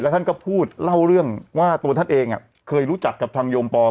ท่านก็พูดเล่าเรื่องว่าตัวท่านเองเคยรู้จักกับทางโยมปอ